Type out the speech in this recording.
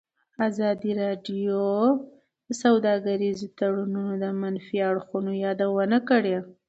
ازادي راډیو د سوداګریز تړونونه د منفي اړخونو یادونه کړې.